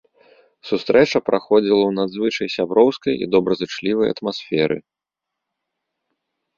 Сустрэча праходзіла ў надзвычай сяброўскай і добразычлівай атмасферы.